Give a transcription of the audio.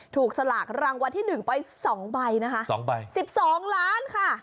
สลากรางวัลที่๑ไป๒ใบนะคะ๒ใบ๑๒ล้านค่ะ